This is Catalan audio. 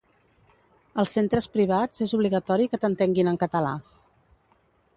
Als centres privats és obligatori que t'entenguin en català.